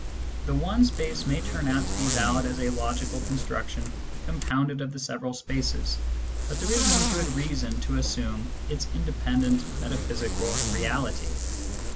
The one space may turn out to be valid as a logical construction, compounded of the several spaces, but there is no good reason to assume its in dependent metaphysical reality.